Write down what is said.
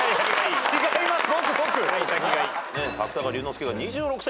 違います！